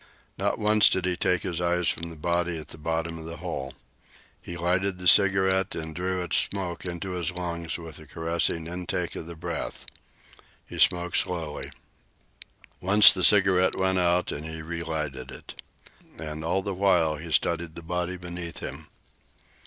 Not once did he take his eyes from the body at the bottom of the hole. He lighted the cigarette and drew its smoke into his lungs with a caressing intake of the breath. He smoked slowly. Once the cigarette went out and he relighted it. And all the while he studied the body beneath him.